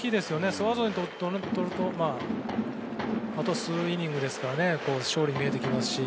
スワローズにとってはあと数イニングですから勝利が見えてきますし。